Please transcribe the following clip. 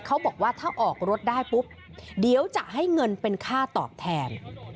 เขาบอกว่าถ้าออกรถได้ปุ๊บเดี๋ยวจะให้เงินเป็นค่าตอบแทน